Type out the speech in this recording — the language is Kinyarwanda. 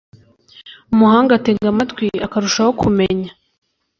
umuhanga atega amatwi akarushaho kumenya